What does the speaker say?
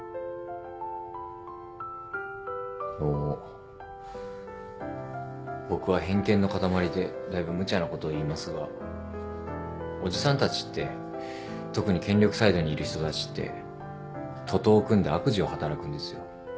あの僕は偏見の塊でだいぶ無茶なことを言いますがおじさんたちって特に権力サイドにいる人たちって徒党を組んで悪事を働くんですよ。